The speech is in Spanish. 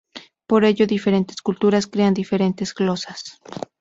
Por ello diferentes culturas crean diferentes glosas.